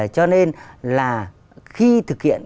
cho nên là khi thực hiện